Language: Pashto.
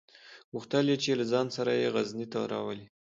غوښتل یې چې له ځان سره یې غزني ته راولي.